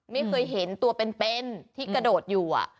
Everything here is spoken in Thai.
ไม่เคยเห็นตัวเป็นที่กระโดดอยู่